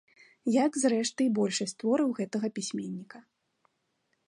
Як, зрэшты, і большасць твораў гэтага пісьменніка.